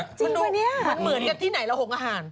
มันเหมือนกันที่ไหนเราหงอาหาร